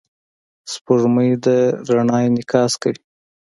سپوږمۍ د رڼا انعکاس کوي.